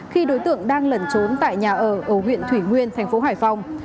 khi đối tượng đang lẩn trốn tại nhà ở ở huyện thủy nguyên thành phố hải phòng